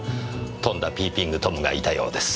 とんだピーピングトムがいたようです。